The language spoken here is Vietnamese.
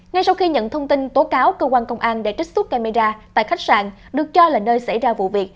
ngay sau khi nhận thông tin tố cáo cơ quan công an đã trích xuất camera tại khách sạn được cho là nơi xảy ra vụ việc